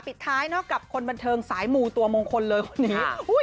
ปิดท้ายนอกจากคนบันเทิงสายหมู่ตัวมงคลเลยคนนี้